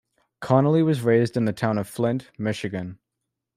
Connolly was raised in the town of Flint, Michigan.